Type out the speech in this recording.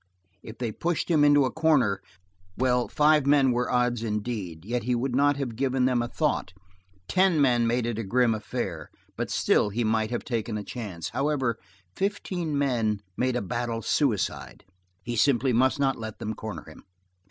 If they pushed him into a corner well, five men were odds indeed, yet he would not have given them a thought; ten men made it a grim affair, but still he might have taken a chance; however, fifteen men made a battle suicide he simply must not let them corner him.